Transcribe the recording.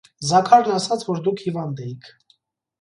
- Զաքարն ասաց, որ դուք հիվանդ էիք: